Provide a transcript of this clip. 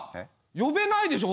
呼べないでしょ